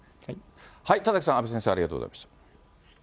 田崎さん、阿部先生、ありがとうございました。